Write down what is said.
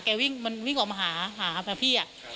แกวิ่งมันวิ่งออกมาหาหาพี่อ่ะ